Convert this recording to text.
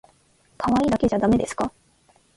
可愛いだけじゃだめですか？